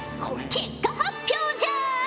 結果発表じゃ！